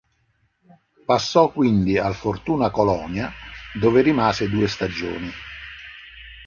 Passò quindi al Fortuna Colonia, dove rimase due stagioni.